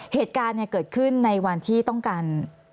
เหตุการณ์เกิดขึ้นในวันที่ต้องการ